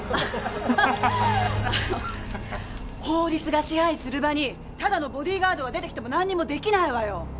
法律が支配する場にただのボディーガードが出てきてもなんにもできないわよ。